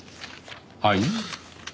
はい？